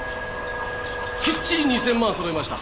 きっちり２０００万揃いました。